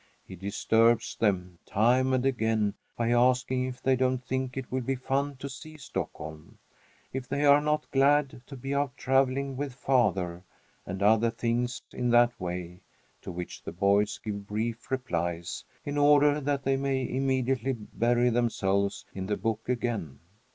He disturbs them, time and again, by asking if they don't think it will be fun to see Stockholm; if they are not glad to be out travelling with father, and other things in that way, to which the boys give brief replies, in order that they may immediately bury themselves in the book again.